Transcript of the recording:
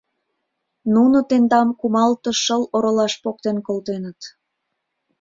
Нуно тендам кумалтыш шыл оролаш поктен колтеныт...